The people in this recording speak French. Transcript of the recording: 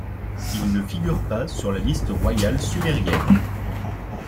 Il ne figure pas sur la Liste royale sumérienne.